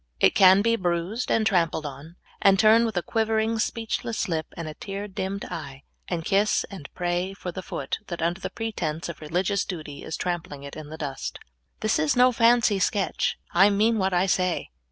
It can be bruised and trampled on, and turn wdth a quivering, speechless lip, and a tear dimmed eye, and kiss and pray for the foot that, under the pretense of religious duty, is trampling it in the dust. This is no fancy sketch ; I mean what I say.